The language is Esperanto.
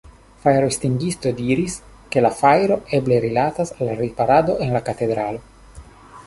Fajroestingisto diris, ke la fajro eble rilatas al riparado en la katedralo.